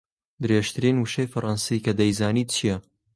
درێژترین وشەی فەڕەنسی کە دەیزانیت چییە؟